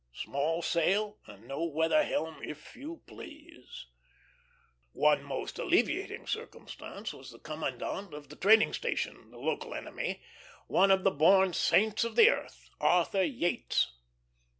Small sail; and no weather helm, if you please. One most alleviating circumstance was the commandant of the training station, the local enemy, one of the born saints of the earth, Arthur Yates.